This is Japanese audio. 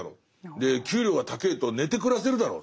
で給料が高ぇと寝て暮らせるだろって。